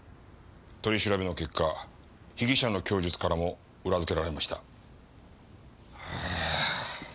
取り調べの結果被疑者の供述からも裏付けられました。